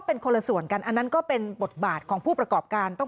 เป็นคนละส่วนกันอันนั้นก็เป็นบทบาทของผู้ประกอบการต้อง